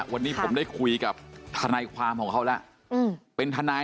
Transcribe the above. วันนี้ผมได้คุยกับทนายความของเขาแล้วเป็นทนาย